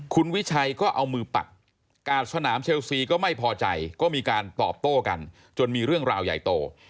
คุณวิชัยก็เอามือปัดกาดสนามเชลซีก็ไม่พอใจก็มีการตอบโต้กันจนมีเรื่องราวใหญ่โต